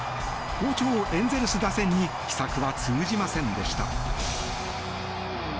好調エンゼルス打線に奇策は通じませんでした。